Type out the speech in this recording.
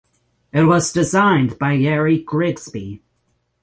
It was designed by Gary Grigsby.